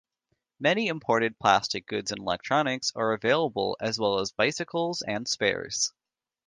Many imported plastic goods and electronics are available as well as bicycles and spares.